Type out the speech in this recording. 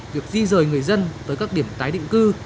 việc di rời người dân tới các điểm tái định cư